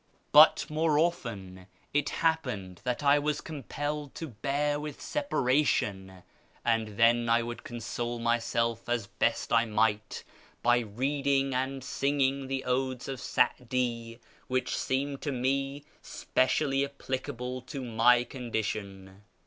' But more often it happened that I was compelled to bear with separation, and then I wonld console myself as best I might by reading and singing the odes of Sa'di, which seemed to me specially applicable to my condition.